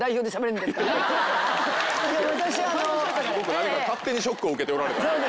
何か勝手にショックを受けておられたんで。